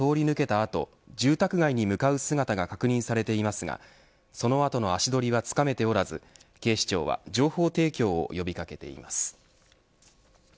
あと住宅街に向かう姿が確認されていますが、その後の足取りはつかめておらず警視庁は情報提供を呼び掛けています。